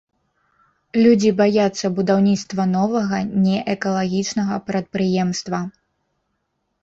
Людзі баяцца будаўніцтва новага не экалагічнага прадпрыемства.